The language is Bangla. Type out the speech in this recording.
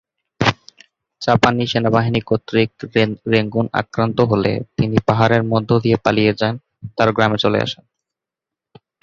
জাপানি সেনাবাহিনী কর্তৃক রেঙ্গুন আক্রান্ত হলে, তিনি পাহাড়ের মধ্য দিয়ে পালিয়ে যান তার গ্রামে চলে আসেন।